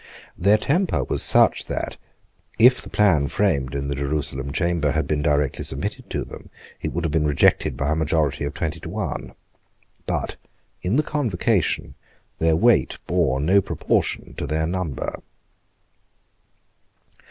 Their temper was such that, if the plan framed in the Jerusalem Chamber had been directly submitted to them, it would have been rejected by a majority of twenty to one. But in the Convocation their weight bore no proportion to their number.